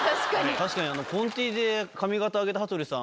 確かに紺Ｔで髪形上げた羽鳥さん